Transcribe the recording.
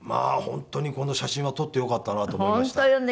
本当にこの写真は撮ってよかったなと思いました。